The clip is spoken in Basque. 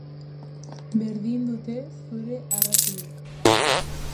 Berdin dute zure arrazoiek.